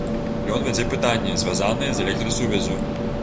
Ён вядзе пытанні, звязаныя з электрасувяззю.